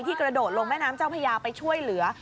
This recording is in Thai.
กระโดดลงแม่น้ำเจ้าพญาไปช่วยเหลือ